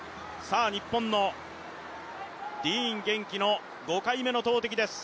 日本のディーン元気の５回目の投てきです。